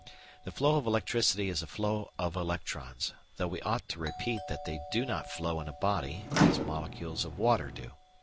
The flow of electricity is a flow of electrons; though we ought to repeat that they do not flow in a body, as molecules of water do.